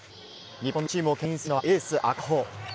日本のチームをけん引するのは、エース、赤穂。